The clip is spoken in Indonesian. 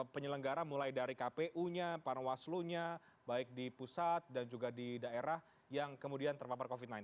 penyelenggara mulai dari kpu nya panwaslu nya baik di pusat dan juga di daerah yang kemudian terpapar covid sembilan belas